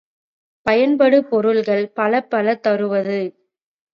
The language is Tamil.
பயன்படு பொருள்கள் பலப் பல தருவது.